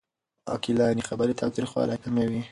عقلاني خبرې تاوتريخوالی کموي.